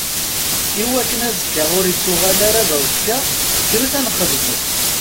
I wakken azekka ur ittuɣal ara d aẓekka, kkret ad nxedmet!